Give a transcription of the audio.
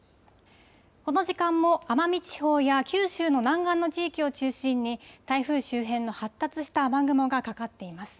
この時間も奄美地方や九州の南岸の地域を中心に、台風周辺の発達した雨雲がかかっています。